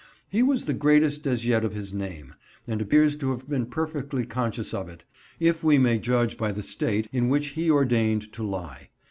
He was the greatest as yet of his name, and appears to have been perfectly conscious of it, if we may judge by the state in which he ordained to lie.